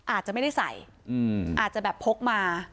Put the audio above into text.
อาจจะไม่ได้ใส่อาจจะแบบพกมา